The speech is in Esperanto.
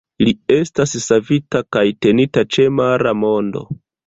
Li estas savita kaj tenita ĉe Mara Mondo.